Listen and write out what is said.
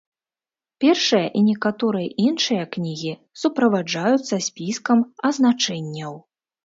Першая і некаторыя іншыя кнігі суправаджаюцца спіскам азначэнняў.